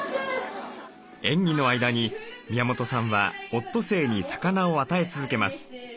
演技の間に宮本さんはオットセイに魚を与え続けます。